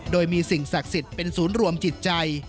โดยมีสิ่งศักดิ์สิทธิ์เป็นศูนย์รวมจิตใจ